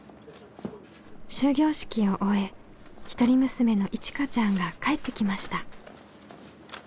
終業式を終え一人娘のいちかちゃんが帰ってきました。